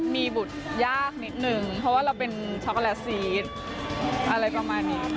มีบุตรยากนิดนึงเพราะว่าเราเป็นช็อกโกแลตซีสอะไรประมาณนี้